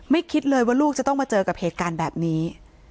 คิดเลยว่าลูกจะต้องมาเจอกับเหตุการณ์แบบนี้